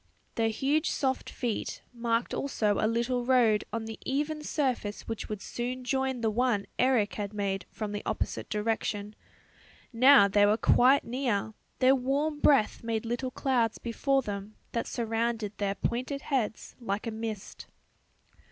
Their huge soft feet marked also a little road on the even surface which would soon join the one Eric had made from the opposite direction. Now they were quite near; their warm breath made little clouds before them that surrounded their pointed heads like a mist.